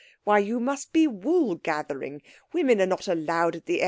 _ Why you must be wool gathering! Women are not allowed at the F O.